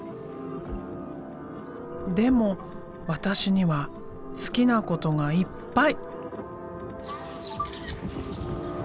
「でもわたしには好きなことがいっぱい！」。